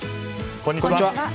こんにちは。